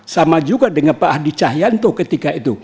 sama juga dengan pak hadi cahyanto ketika itu